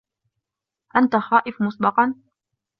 أنت خائف مسبقا؟